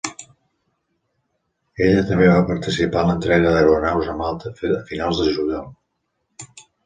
Ella també va participar en l'entrega d'aeronaus a Malta a finals de juliol.